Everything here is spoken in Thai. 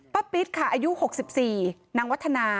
ป้าปิ๊ดค่ะอายุหกสิบสี่นางวัฒนา